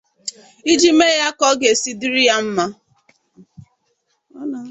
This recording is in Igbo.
iji mee ya ka ọ ga-esi dịrị ya mma.